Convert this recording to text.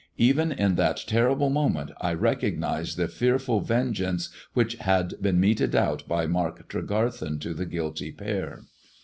Even in that terrible Dment I recognized the fearful vengeance which had en meted out by Mark Tregarthen to the guilty pair.